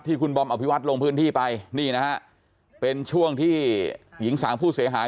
คุณบอมอภิวัตรลงพื้นที่ไปนี่นะฮะเป็นช่วงที่หญิงสามผู้เสียหาย